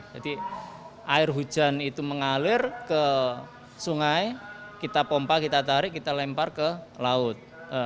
jadi air hujan itu mengalir ke sungai kita pompa kita tarik kita lempar ke laut